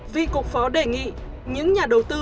vì cục phó đề nghị những nhà đầu tư